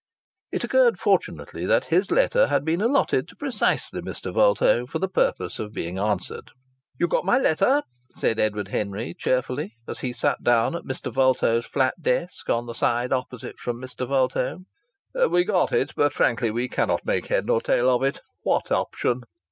It occurred fortunately that his letter had been allotted to precisely Mr. Vulto for the purpose of being answered. "You got my letter?" said Edward Henry, cheerfully, as he sat down at Mr. Vulto's flat desk on the side opposite from Mr. Vulto. "We got it, but frankly we cannot make head or tail of it!... What option?"